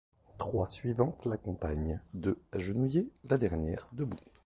Trois suivantes l'accompagnent, deux agenouillées, la dernière debout.